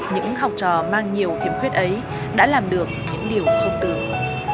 những học trò mang nhiều kiểm khuyết ấy đã làm được những điều không tưởng